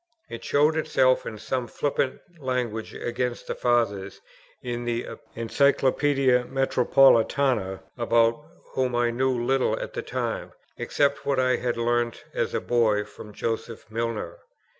It showed itself in some flippant language against the Fathers in the Encyclopædia Metropolitana, about whom I knew little at the time, except what I had learnt as a boy from Joseph Milner.